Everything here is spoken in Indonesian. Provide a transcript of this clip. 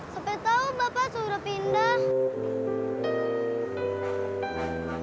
sampai tahu bapak sudah pindah